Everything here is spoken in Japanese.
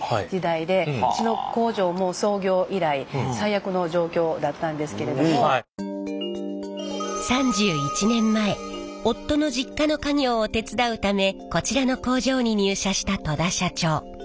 私が３代目なんですけれども３１年前夫の実家の家業を手伝うためこちらの工場に入社した戸田社長。